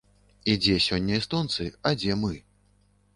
І дзе сёння эстонцы, а дзе мы?